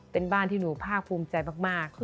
เป็นบ้านที่หนูภาคภูมิใจมาก